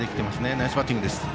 ナイスバッティングですね。